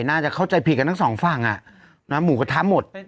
น่าจะเข้าใจผิดกันทั้งสองฝั่งหมูกระทะหมด